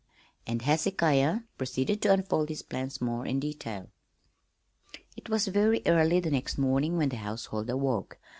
And Hezekiah proceeded to unfold his plans more in detail. It was very early the next morning when the household awoke.